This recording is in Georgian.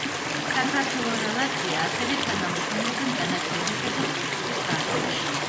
საქართველო და ლატვია ასევე თანამშრომლობენ განათლებისა და კულტურის დარგებში.